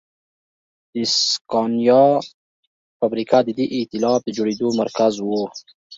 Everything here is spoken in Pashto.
د سکانیا فابریکه د دې اېتلاف د جوړېدو مرکز و.